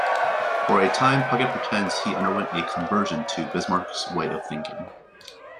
For a time Puckett pretends he underwent a conversion to Bismark's way of thinking.